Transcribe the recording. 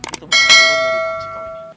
itu bukan burung dari pakcik kaunnya